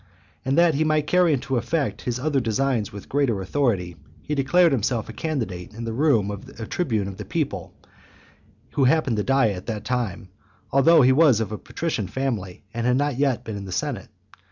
And that he might carry into effect his other designs with greater authority, he declared himself a candidate in the room of a tribune of the people who happened to die at that time, although he was of a patrician family, and had not yet been in the senate.